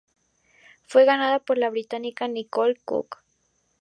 Fue ganada por la británica Nicole Cooke.